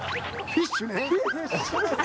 フィッシュ！